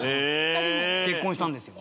結婚したんですよ。